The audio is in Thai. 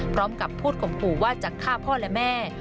พร้อมกับพูดข่มขู่ว่าจะฆ่าพ่อและแม่